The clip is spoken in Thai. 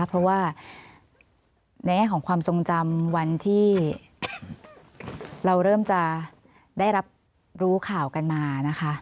เพราะว่าในแง่ของความทรงจำวันที่เราเริ่มจะได้รับรู้ข่าวกันมานะคะ